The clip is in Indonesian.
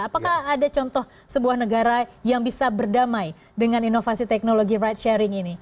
apakah ada contoh sebuah negara yang bisa berdamai dengan inovasi teknologi ride sharing ini